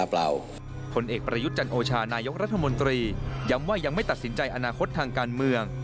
ผลเอกประยุทธ์จันโอชานายกรัฐมนตรีย้ำว่ายังไม่ตัดสินใจอนาคตทางการเมือง